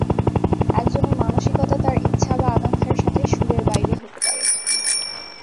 একজনের মানসিকতা তার ইচ্ছা বা আকাঙ্ক্ষার সাথে সুরের বাইরে হতে পারে।